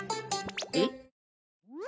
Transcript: えっ？